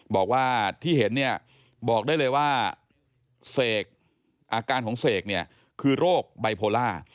บอกว่าที่เห็นเนี่ยบอกได้เลยว่าเสกอาการของเสกเนี่ยคือโรคไบโพล่า